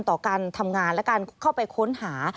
ต่อการทำงานและการเข้าไปค้นหา